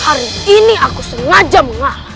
hari ini aku sengaja mengarah